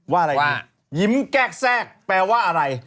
ว่าอะไรอีกยิ้มแกล้กแทรกแปลว่าอะไร